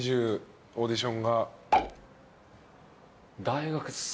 オーディションが。